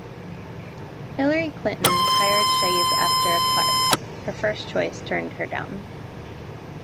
Hillary Clinton hired Scheib after Clark, her first choice, turned her down.